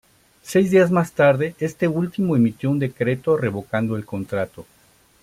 Seis días más tarde este último emitió un decreto revocando el contrato.